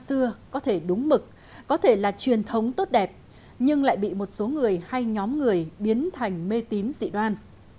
mê tín dị đoan có thể đúng mực có thể là truyền thống tốt đẹp nhưng lại bị một số người hay nhóm người biến thành mê tín dị đoan